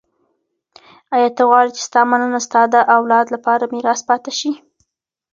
ایا ته غواړې چي ستا مننه ستا د اولاد لپاره میراث پاته سي؟